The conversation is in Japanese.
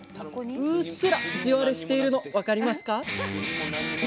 うっすら地割れしているの分かりますか？